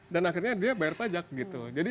dan akhirnya dia bayar pajak gitu